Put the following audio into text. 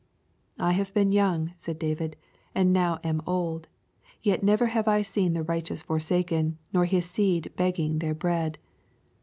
I have been young," said David, " and now am old, yet never have I seen the righteous forsaken, nor his seed begging their bread."